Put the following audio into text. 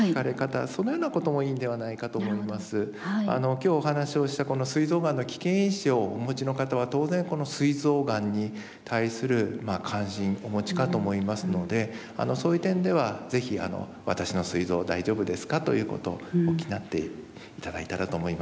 今日お話をしたすい臓がんの危険因子をお持ちの方は当然このすい臓がんに対する関心お持ちかと思いますのでそういう点では是非私のすい臓大丈夫ですかということお聞きになって頂いたらと思います。